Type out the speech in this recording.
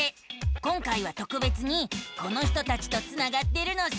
今回はとくべつにこの人たちとつながってるのさ。